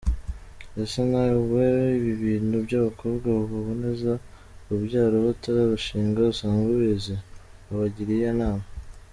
Ese nawe ibi bintu by’abakobwa baboneza urubyaro batararushinga usanzwe ubizi? Wabagira iyihe nama?.